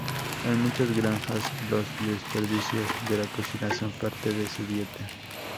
En muchas granjas los desperdicios de la cocina son parte de su dieta.